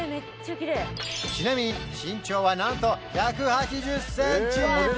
ちなみに身長はなんと１８０センチ！